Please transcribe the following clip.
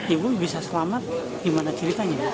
ibu bisa selamat gimana ceritanya